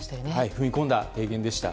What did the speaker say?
踏み込んだ提言でした。